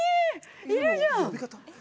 いるじゃん！